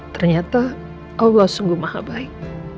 ternyata allah sungguh maha baik